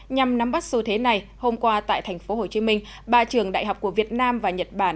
nhằm nắm bắt xu thế này hôm qua tại tp hcm ba trường đại học của việt nam và nhật bản